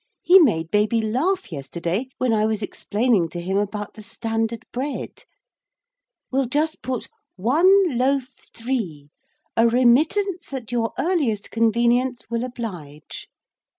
He made baby laugh yesterday when I was explaining to him about the Standard Bread. We'll just put "1 loaf 3. A remittance at your earliest convenience will oblige."